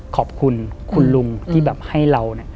ขอบคุณคุณลุงที่แบบให้เรา